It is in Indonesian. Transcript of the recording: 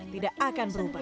tidak akan berubah